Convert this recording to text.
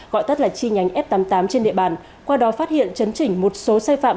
gọi tắt là chi nhánh f tám mươi tám trên địa bàn qua đó phát hiện chấn chỉnh một số sai phạm